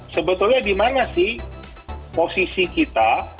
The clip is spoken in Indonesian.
sebetulnya di mana sih posisi kita